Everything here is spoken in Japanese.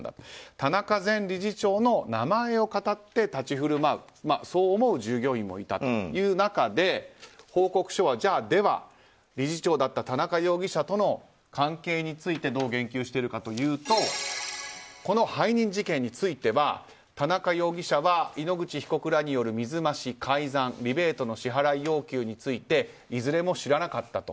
田中前理事長の名前をかたって立ち振る舞うそう思う従業員もいたという中で報告書は、では理事長だった田中容疑者との関係についてどう言及しているかというとこの背任事件については田中容疑者は井ノ口被告らによる水増し、改ざんリベートの支払い要求についていずれも知らなかったと。